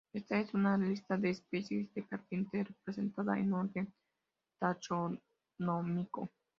Ésta es una lista de especies de carpinteros presentada en orden taxonómico.